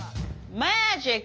マージック。